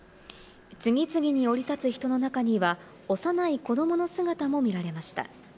次々に降り立つ人の中には幼い子どもの姿も見られました。